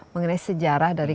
mengenai sejarah dari